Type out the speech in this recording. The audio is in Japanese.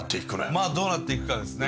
まあどうなっていくかですね。